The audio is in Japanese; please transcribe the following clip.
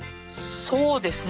そうですね。